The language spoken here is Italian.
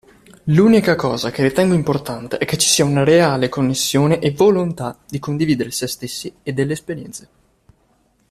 L'unica cosa che ritengo importante è che ci sia una reale connessione e volontà di condividere sé stessi e delle esperienze.